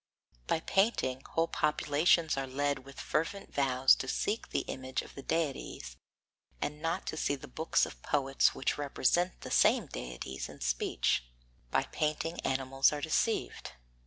By painting whole populations are led with fervent vows to seek the image of the deities, and not to see the books of poets which represent the same deities in speech; by painting animals are deceived.